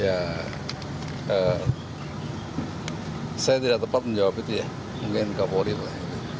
ya saya tidak tepat menjawab itu ya mungkin kapolri lah